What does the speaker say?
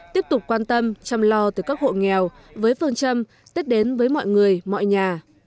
tiếp tục quan tâm chăm lo từ các hộ nghèo với phương châm tết đến với mọi người mọi nhà